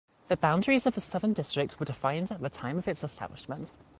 The boundaries of the Southern District were defined at the time of its establishment.